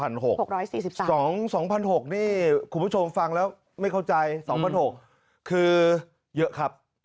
นี่คุณผู้ชมฟังแล้วไม่เข้าใจ๒๖๐๐คือเยอะครับ